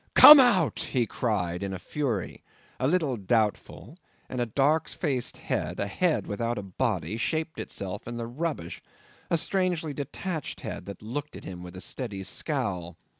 "Come out!" he cried in a fury, a little doubtful, and a dark faced head, a head without a body, shaped itself in the rubbish, a strangely detached head, that looked at him with a steady scowl.